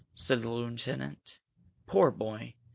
said the lieutenant. "Poor boy!